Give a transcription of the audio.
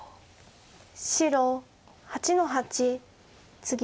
白８の八ツギ。